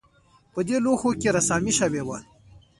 په دې لوښو کې رسامي شوې وه